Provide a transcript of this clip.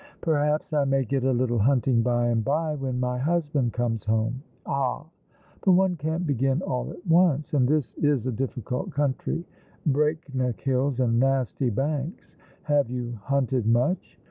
" Perhaps I may get a little hunting by and by, when my husband comes home." "Ah, but one can't begin all at once; and this is a difficult country; breakneck hills, and nasty banks. Have you hunted much